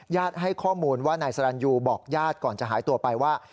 ให้ข้อมูลว่านายสรรยูบอกญาติก่อนจะหายตัวไปว่า